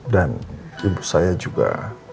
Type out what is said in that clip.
dan ibu saya juga